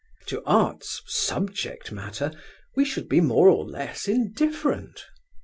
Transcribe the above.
To art's subject matter we should be more or less indifferent.